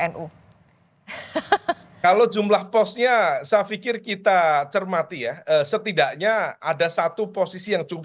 nu kalau jumlah posnya saya pikir kita cermati ya setidaknya ada satu posisi yang cukup